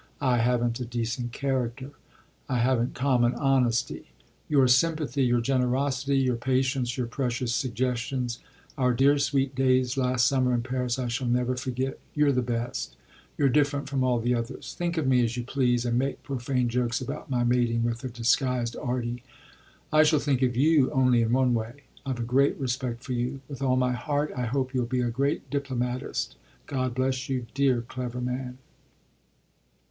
I haven't a decent character, I haven't common honesty. Your sympathy, your generosity, your patience, your precious suggestions, our dear sweet days last summer in Paris, I shall never forget. You're the best you're different from all the others. Think of me as you please and make profane jokes about my mating with a disguised 'Arty' I shall think of you only in one way. I've a great respect for you. With all my heart I hope you'll be a great diplomatist. God bless you, dear clever man."